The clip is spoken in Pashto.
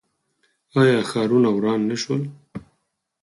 آیا ښارونه ویران نه شول؟